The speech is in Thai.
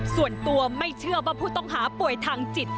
ส่วนตัวไม่เชื่อว่าผู้ต้องหาป่วยทางจิต